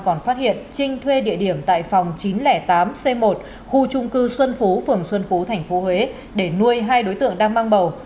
còn phát hiện trinh thuê địa điểm tại phòng chín trăm linh tám c một khu trung cư xuân phú phường xuân phú tp huế để nuôi hai đối tượng đang mang bầu